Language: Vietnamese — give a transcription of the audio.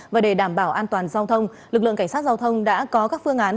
và để đảm bảo an toàn giao thông lực lượng cảnh sát giao thông đã có các phương án